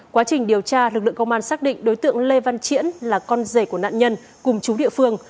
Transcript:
quá trình điều tra lực lượng công an xác định đối tượng lê văn triển là con rể của nạn nhân cùng chú địa phương